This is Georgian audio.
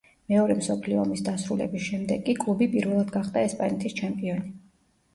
მეორე მსოფლიო ომის დასრულების შემდეგ კი კლუბი პირველად გახდა ესპანეთის ჩემპიონი.